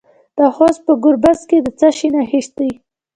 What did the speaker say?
د خوست په ګربز کې د څه شي نښې دي؟